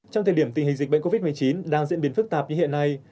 trong thời điểm tình hình dịch bệnh covid một mươi chín đang diễn biến phức tạp như hiện nay